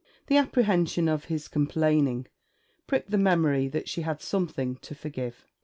The apprehension of his complaining pricked the memory that she had something to forgive.